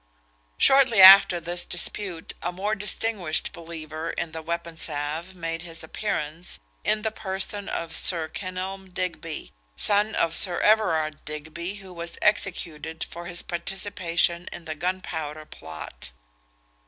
Shortly after this dispute a more distinguished believer in the weapon salve made his appearance in the person of Sir Kenelm Digby, the son of Sir Everard Digby, who was executed for his participation in the Gunpowder Plot.